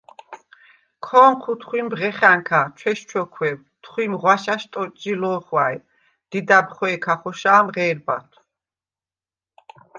ქო̄ნჴუ თხვიმ ბღეხა̈ნქა, ჩვესჩოქვევ, თხვიმ ღვაშა̈შ ტოტჟი ლო̄ხვა̈ჲ, დიდა̈ბ ხვე̄ქა ხოშა̄მ ღე̄რბათვ.